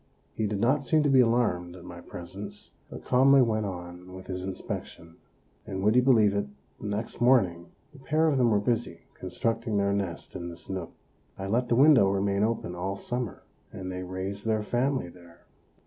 He did not seem to be alarmed at my presence, but calmly went on with his inspection; and would you believe it, the next morning the pair of them were busy constructing their nest in this nook. I let the window remain open all summer, and they raised their family there.